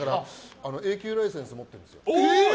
Ａ級ライセンスを持ってるんです。